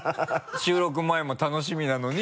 収録前も楽しみなのに。